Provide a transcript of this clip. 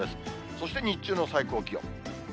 そして日中の最高気温。